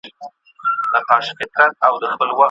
چي په هري تیاره شپې پسي سحر دی